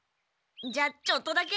じゃあちょっとだけ。